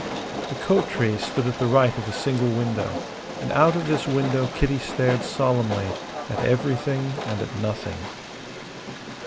The coat tree stood at the right of the single window, and out of this window Kitty stared solemnly, at everything and at nothing.